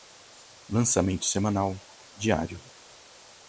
lançamento semanal, diário